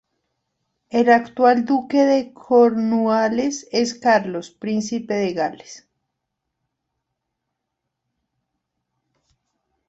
El actual Duque de Cornualles es Carlos, Príncipe de Gales.